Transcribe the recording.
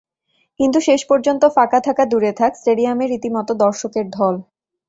কিন্তু শেষ পর্যন্ত ফাঁকা থাকা দূরে থাক, স্টেডিয়ামে রীতিমতো দর্শকের ঢল।